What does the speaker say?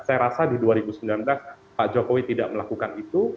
saya rasa di dua ribu sembilan belas pak jokowi tidak melakukan itu